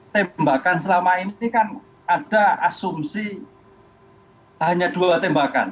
tembakan selama ini kan ada asumsi hanya dua tembakan